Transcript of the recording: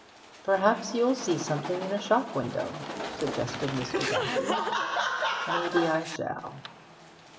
'Perhaps you'll see something in a shop window,' suggested Mr. Daffy. 'Maybe I shall.'